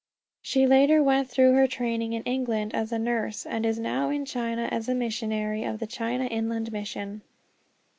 She later went through her training in England as a nurse, and is now in China as a missionary of the China Inland Mission.